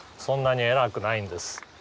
そんなに偉くないんです。